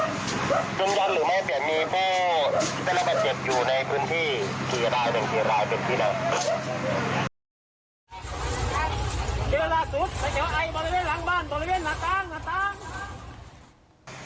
ขี่ลายเป็นขี่ลายพาที่แล้ว